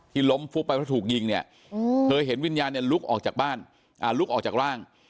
ที่ล้มฟุบไปถูกยิงเนี่ยเธอเห็นวิญญาณเนี่ยลุกออกจากร่าง